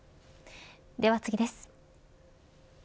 では次です。